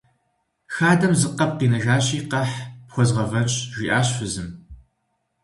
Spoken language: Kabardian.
Хадэм зы къэб къинэжащи, къэхь, пхуэзгъэвэнщ, - жиӀащ фызым.